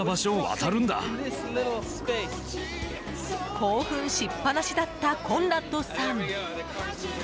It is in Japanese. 興奮しっぱなしだったコンラッドさん。